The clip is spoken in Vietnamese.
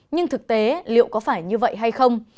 nhưng thực tế liệu có phải như vậy hay không